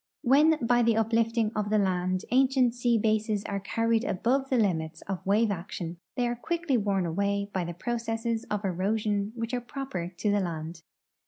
\\'hen by the uplifting of the land ancient sea bases are carried above the limits of Avave action they are quickly Avorn aAvay hy the })roce.sses of erosion Avhich are proper to the land.